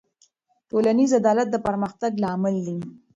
ټولنیز عدالت د پرمختګ لامل دی.